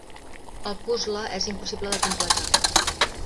El puzle és impossible de completar.